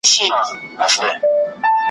نعمتونه که یې هر څومره ډیریږي ,